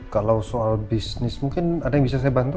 kalau soal bisnis mungkin ada yang bisa saya bantu